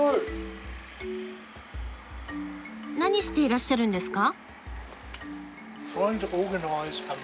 何していらっしゃるんですか？